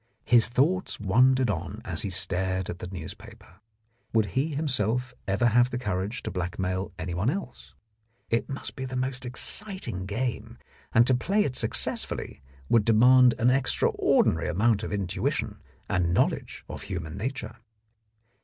His thoughts wandered on as he stared at the newspaper. Would he himself ever have the courage to blackmail anyone else ? It must be the most exciting game, and to play it successfully would demand an extraordinary amount of intuition and knowledge of human nature.